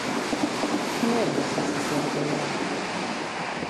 Quina era la sensació d'aquell lloc?